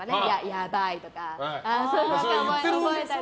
「やばい」とか覚えたり。